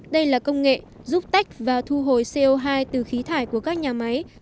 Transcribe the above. đây là công nghệ giúp tách và thu hồi co hai từ khí thải của các nhà máy